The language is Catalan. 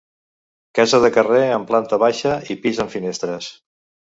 Casa de carrer amb planta baixa i pis amb finestretes.